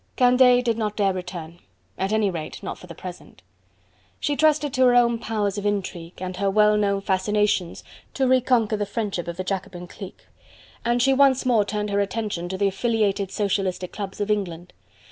Candeille did not dare return: at any rate not for the present. She trusted to her own powers of intrigue, and her well known fascinations, to re conquer the friendship of the Jacobin clique, and she once more turned her attention to the affiliated Socialistic clubs of England.